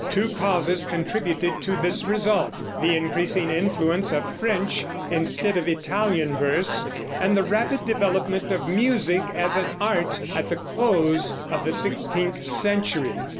Two causes contributed to this result, the increasing influence of French instead of Italian verse, and the rapid development of music as an art at the close of the sixteenth century.